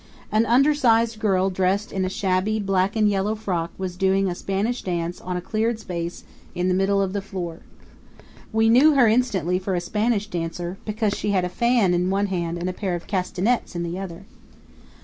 An undersized girl dressed in a shabby black and yellow frock was doing a Spanish dance on a cleared space in the middle of the floor. We knew her instantly for a Spanish dancer, because she had a fan in one hand and a pair of castanets in the other.